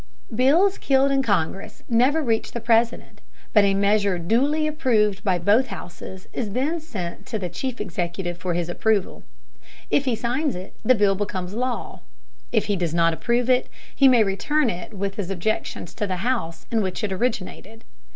Bills killed in Congress never reach the President, but a measure duly approved by both houses is then sent to the chief executive for his approval. If he signs it, the bill becomes law. If he does not approve it, he may return it with his objections to the house in which it originated.